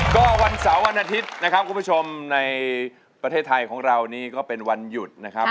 ก็วันเสาร์วันอาทิตย์นะครับคุณผู้ชมในประเทศไทยของเรานี่ก็เป็นวันหยุดนะครับ